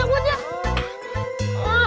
dari mana buka